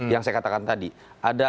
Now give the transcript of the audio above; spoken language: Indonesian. yang saya katakan tadi ada